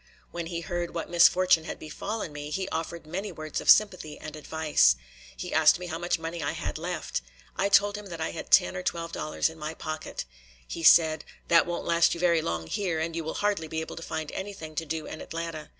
When he heard what misfortune had befallen me, he offered many words of sympathy and advice. He asked me how much money I had left. I told him that I had ten or twelve dollars in my pocket. He said: "That won't last you very long here, and you will hardly be able to find anything to do in Atlanta.